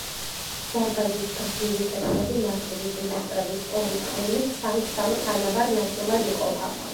დარბაზის გრძივი კედლები მარტივი პილასტრების ორი წყვილით სამ-სამ თანაბარ ნაწილად იყოფა.